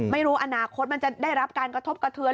ไม่รู้อนาคตมันจะได้รับการกระทบกระเทือน